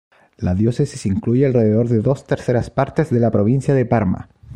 La diócesis incluye alrededor de dos terceras partes de la provincia de Parma.